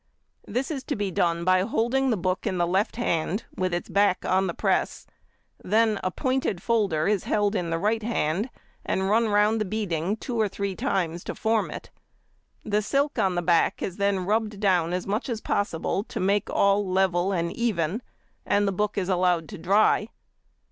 This is to be done by holding the book in the left hand with its back on the press, then a pointed folder held in the right hand is run round the beading two or three times to form it; the silk on the back is then rubbed down as much as possible to make all level and even, and the book is allowed to dry.